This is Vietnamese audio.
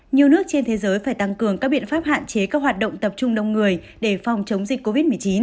nhiều nước trên thế giới phải tăng cường các biện pháp hạn chế các hoạt động tập trung đông người để phòng chống dịch covid một mươi chín